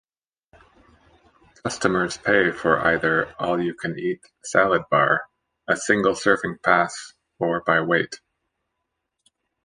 Customers pay for either "all-you-can-eat" salad bar, a single serving pass, or by weight.